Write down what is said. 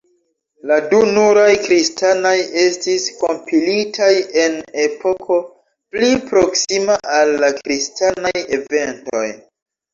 La du nuraj kristanaj estis kompilitaj en epoko pli proksima al la kristanaj eventoj.